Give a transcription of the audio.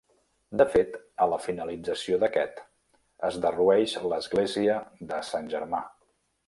De fet, a la finalització d'aquest, es derrueix l'església de Sant Germà.